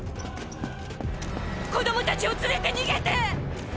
子供たちを連れて逃げて！